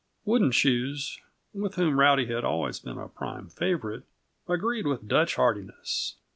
Wooden Shoes, with whom Rowdy had always been a prime favorite, agreed with Dutch heartiness.